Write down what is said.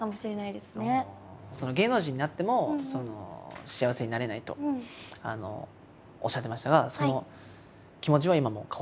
「芸能人になっても幸せになれない」とおっしゃってましたがその気持ちは今も変わらず？